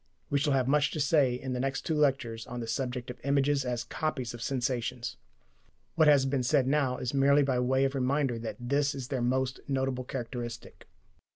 We shall have much to say in the next two lectures on the subject of images as copies of sensations. What has been said now is merely by way of reminder that this is their most notable characteristic.